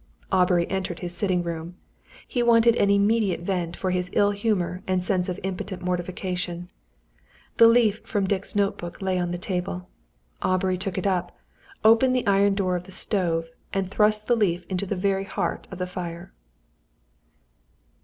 Aubrey entered his sitting room. He wanted an immediate vent for his ill humour and sense of impotent mortification. The leaf from Dick's note book lay on the table. Aubrey took it up, opened the iron door of the stove, and thrust the leaf into the very heart of the fire.